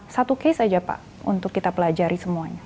satu case saja pak untuk kita pelajari semuanya